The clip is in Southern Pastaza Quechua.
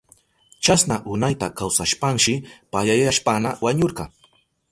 Chasna unayta kawsashpanshi payayashpaña wañurka.